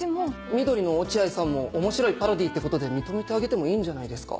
「緑のおチアイさん」も面白いパロディーってことで認めてあげてもいいんじゃないですか？